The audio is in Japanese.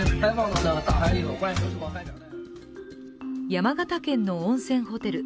山形県の温泉ホテル。